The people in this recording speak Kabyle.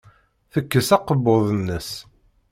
Tekkes akebbuḍ-nnes.